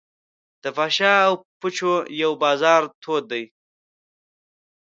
د فحاشا او پوچو یو بازار تود دی.